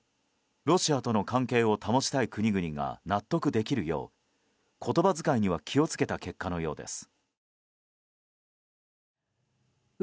ロシアとの関係を保ちたい国々が納得できるよう言葉遣いには気を付けた結果のようです。